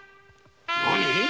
何！？